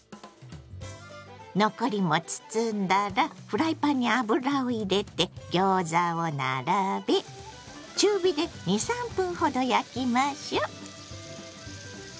残りも包んだらフライパンに油を入れてギョーザを並べ中火で２３分ほど焼きましょ。